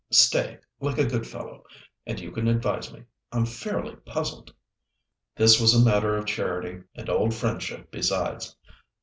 Stay, like a good fellow, and you can advise me. I'm fairly puzzled." This was a matter of charity, and old friendship besides.